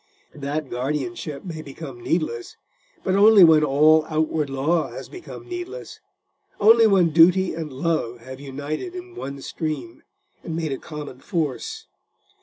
That guardianship may become needless; but only when all outward law has become needless—only when duty and love have united in one stream and made a common force.